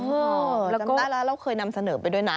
เราจำได้แล้วเราเคยนำเสนอไปด้วยนะ